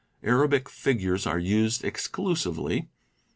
Arabic figures are used exclusively.